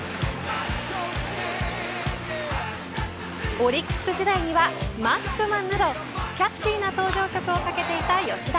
オリックス世代にはマッチョマンなどキャッチーな登場曲をかけていた吉田。